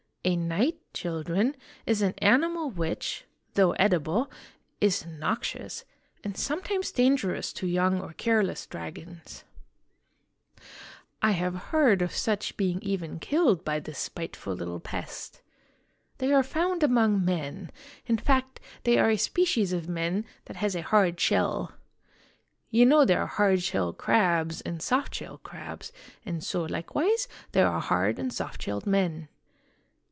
A knight, children, is an animal which, though edible, is noxious, and sometimes dangerous to young or careless dragons. I have heard of such being even killed by this spiteful little pest. They are found among men in fact, they are a species of men that has a hard shell. You know there are hard shell crabs and soft shell crabs, and so, likewise, there are hard and soft shelled men.